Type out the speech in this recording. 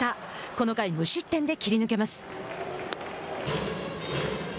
この回、無失点で切り抜けます。